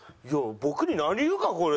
僕に何言うかこれ。